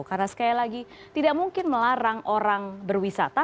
karena sekali lagi tidak mungkin melarang orang berwisata